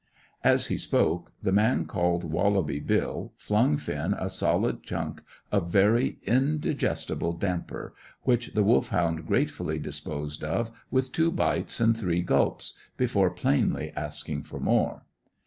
As he spoke, the man called Wallaby Bill flung Finn a solid chunk of very indigestible damper, which the Wolfhound gratefully disposed of with two bites and three gulps, before plainly asking for more.